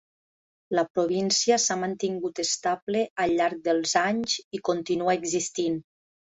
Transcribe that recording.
La província s'ha mantingut estable al llarg dels anys i continua existint.